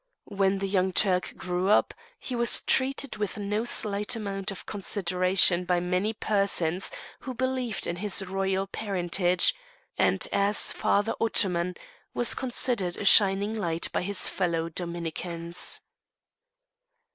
When the young Turk grew up, he was treated with no slight amount of consideration by many persons who believed in his royal parentage, and as "Father Ottoman" was considered a shining light by his fellow Dominicans.